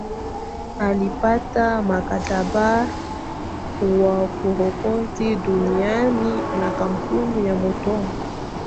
Alipata mkataba wa kurekodi duniani na kampuni ya Motown